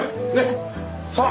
さあ！